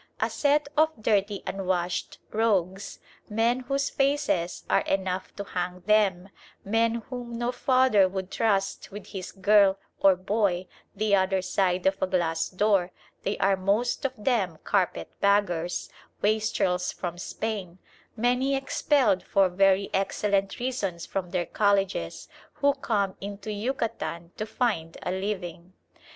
A set of dirty unwashed rogues, men whose faces are enough to hang them, men whom no father would trust with his girl or boy the other side of a glass door, they are most of them "carpet baggers," wastrels from Spain, many expelled for very excellent reasons from their colleges, who come into Yucatan to find a living.